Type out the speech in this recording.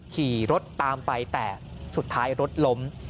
ขี่รถตามไปแต่สุดท้ายรถล้ม